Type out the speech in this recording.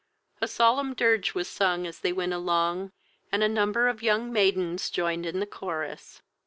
A solemn dirge was sung as they went along, and a number of young maidens joined in the chorus.